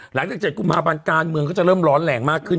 หลังจาก๗กุมภาพันธ์การเมืองก็จะเริ่มร้อนแรงมากขึ้น